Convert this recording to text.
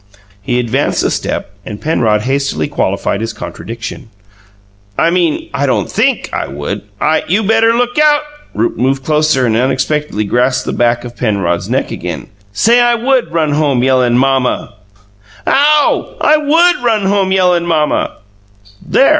He advanced a step and Penrod hastily qualified his contradiction. "I mean, I don't THINK I would. I " "You better look out!" Rupe moved closer, and unexpectedly grasped the back of Penrod's neck again. "Say, 'I WOULD run home yellin' "MOM muh!"'" "Ow! I WOULD run home yellin' 'Mom muh.'" "There!"